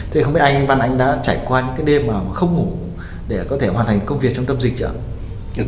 thế không biết anh văn anh đã trải qua những cái đêm mà không ngủ để có thể hoàn thành công việc trong tâm dịch chưa